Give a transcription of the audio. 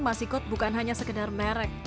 mas ikut bukan hanya sekedar merek